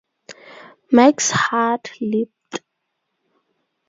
Mike's heart leaped.